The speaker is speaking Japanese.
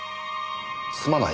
「すまない。